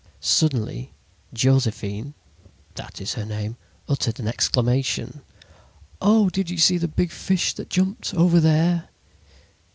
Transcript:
"Suddenly Josephine (that is her name) uttered an exclamation: "'Oh, did you see the big fish that jumped, over there?'